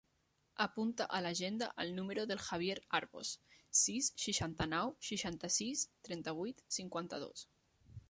Apunta a l'agenda el número del Javier Arbos: sis, seixanta-nou, seixanta-sis, trenta-vuit, cinquanta-dos.